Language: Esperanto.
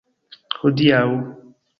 Hodiaŭ.